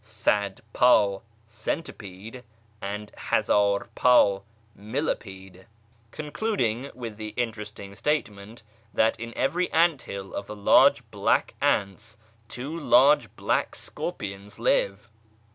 sad pa (centipede), ind liaz&r 'pd (millipede), concluding with the interesting ;tatement that in every ant hill of the large black ants two arge black scorpions live.